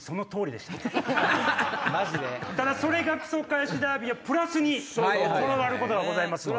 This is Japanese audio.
ただそれがクソ返しダービーはプラスに転がることがございます。